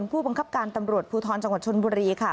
ผู้บังคับการตำรวจภูทรจังหวัดชนบุรีค่ะ